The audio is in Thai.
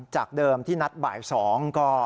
จากเดิมที่นัดบ่าย๒ก็